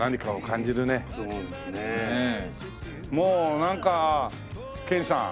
もうなんか剣さん。